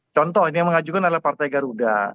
contoh ini yang mengajukan adalah partai garuda